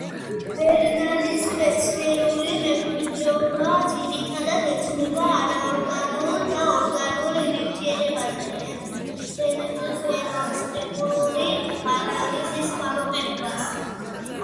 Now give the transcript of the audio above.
ბერნალის მეცნიერული მემკვიდრეობა ძირითადად ეძღვნება არაორგანულ და ორგანულ ნივთიერებებზე რენტგენოსტრუქტურული ანალიზის გამოყენებას.